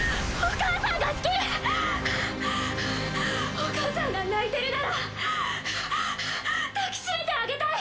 お母さんが泣いてるならはぁはぁ抱き締めてあげたい。